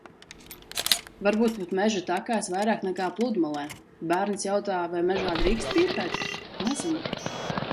Varbūt pat meža takās vairāk, nekā pludmalē. Bērns jautā: "Vai mežā drīkst pīpēt?" Nezinu.